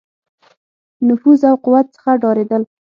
نفوذ او قوت څخه ډارېدل.